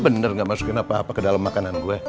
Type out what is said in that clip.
bener gak masukin apa apa ke dalam makanan gue